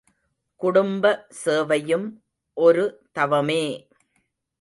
குடும்ப சேவையும் ஒரு தவமே!